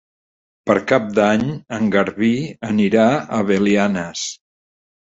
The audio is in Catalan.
Per Cap d'Any en Garbí anirà a Belianes.